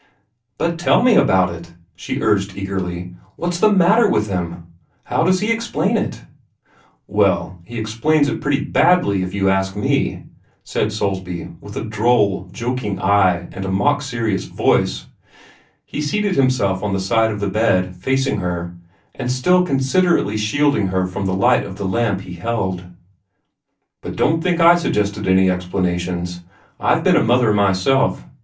"But tell me about it!" she urged eagerly. "What's the matter with him? How does he explain it?" "Well, he explains it pretty badly, if you ask me," said Soulsby, with a droll, joking eye and a mock serious voice. He seated himself on the side of the bed, facing her, and still considerately shielding her from the light of the lamp he held. "But don't think I suggested any explanations. I've been a mother myself.